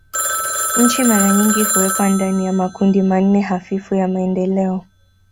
Nchi mara nyingi huwekwa ndani ya makundi manne hafifu ya maendeleo.